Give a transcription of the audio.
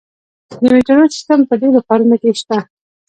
د میټرو سیستم په ډیرو ښارونو کې شته.